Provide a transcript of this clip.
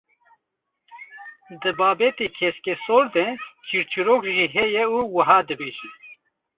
Di babetê keskesor de çîrçîrok jî heye û wiha dibêjin.